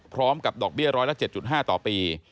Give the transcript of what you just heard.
พร้อมกับดอกเบี้ยร้อยละ๗๕ต่อปี